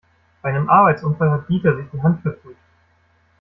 Bei einem Arbeitsunfall hat Dieter sich die Hand verbrüht.